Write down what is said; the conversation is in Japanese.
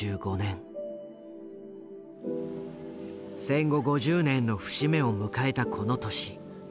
戦後５０年の節目を迎えたこの年。